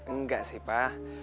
enggak sih pa